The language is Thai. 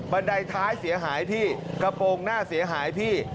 ไดท้ายเสียหายพี่กระโปรงหน้าเสียหายพี่